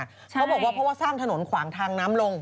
เขาบอกว่าเพราะว่าสร้างถนนขวางทางน้ำลง